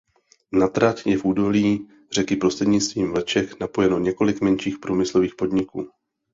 Na trať je v údolí řeky prostřednictvím vleček napojeno několik menších průmyslových podniků.